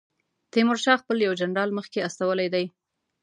تیمورشاه خپل یو جنرال مخکې استولی دی.